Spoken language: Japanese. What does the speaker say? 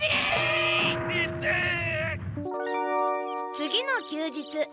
次の休日